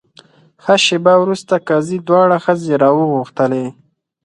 ښه شېبه وروسته قاضي دواړه ښځې راوغوښتلې.